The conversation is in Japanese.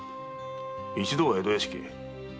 一度は江戸屋敷へ。